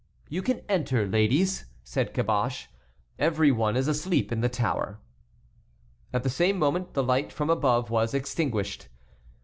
"You can enter, ladies," said Caboche; "every one is asleep in the tower." At the same moment the light from above was extinguished.